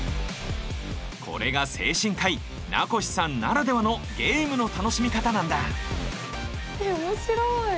これが精神科医名越さんならではのゲームの楽しみ方なんだえっ面白い！